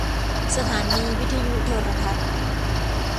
สถานีวิทยุโทรทัศน์